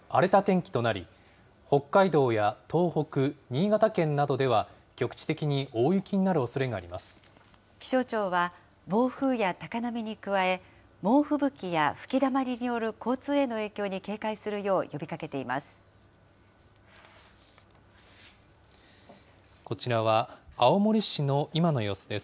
気象庁は暴風や高波に加え、猛吹雪や吹きだまりによる交通への影響に警戒するよう呼びかけてこちらは、青森市の今の様子です。